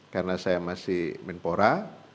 karena saya masih minpora